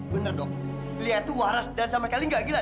bener dok lihat itu waras dan sama kali gak gila